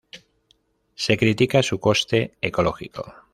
Se critica su coste ecológico.